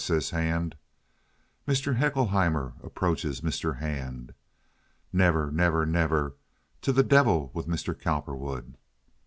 says Hand. Mr. Haeckelheimer approaches Mr. Hand. "Never! never! never! To the devil with Mr. Cowperwood!"